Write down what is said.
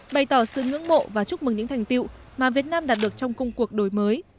bày tỏ sự ngưỡng mộ và chúc mừng những thành tiệu mà việt nam đạt được trong công cuộc đổi mới